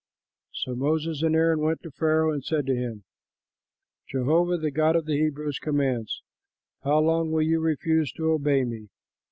So Moses and Aaron went to Pharaoh, and said to him, "Jehovah, the God of the Hebrews, commands: 'How long will you refuse to obey me?